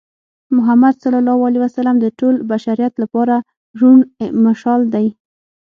محمد ص د ټول بشریت لپاره روڼ مشال دی.